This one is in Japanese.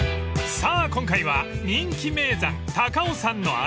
［さあ今回は人気名山高尾山の穴場］